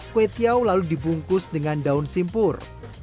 kue tiau lalu dibungkus dengan daun simpur